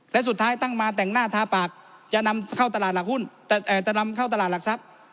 และสุดท้ายตั้งมาแต่งหน้าทาปากจะนำเข้าตลาดหลักซัก